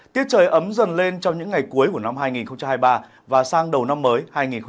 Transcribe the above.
tiết trời ấm dần lên trong những ngày cuối của năm hai nghìn hai mươi ba và sang đầu năm mới hai nghìn hai mươi bốn